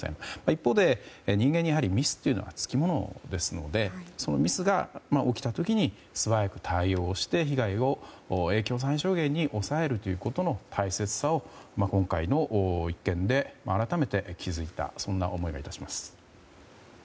一方で人間にミスというのはつきものですのでそのミスが起きた時に素早く対応して被害を、影響を最小限に抑えるということの大切さを今回の一件で改めて気づいたそんな思いが致します。